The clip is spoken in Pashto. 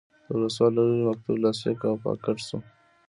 د ولسوال له لوري مکتوب لاسلیک او پاکټ شو.